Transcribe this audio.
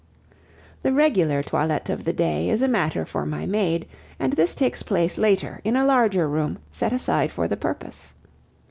The regular toilet of the day is a matter for my maid, and this takes place later in a larger room, set aside for the purpose.